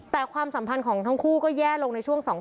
แต่ความสัมพันธ์ของทั้งคู่ก็แย่ลงในช่วง๒๐